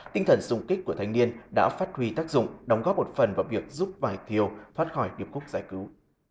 tinh thần xung kích của thanh niên đã phát huy tác dụng đóng góp một phần vào việc giúp vài thiêu thoát khỏi việc khúc giải cứu